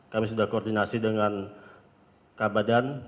kami sudah koordinasi dengan kabadan